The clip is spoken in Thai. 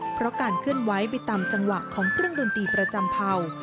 เพราะการเคลื่อนไหวไปตามจังหวะของเครื่องดนตรีประจำเผ่า